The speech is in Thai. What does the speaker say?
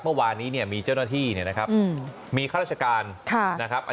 เมื่อวานนี้มีเจ้าหน้าที่มีข้าราชการ